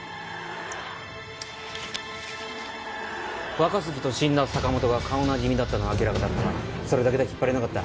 若杉と死んだ坂本が顔なじみだったのは明らかだったがそれだけでは引っ張れなかった。